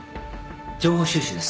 情報収集です。